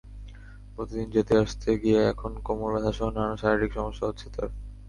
প্রতিদিন যেতে-আসতে গিয়ে এখন কোমর ব্যথাসহ নানা শারীরিক সমস্যা হচ্ছে তাঁর।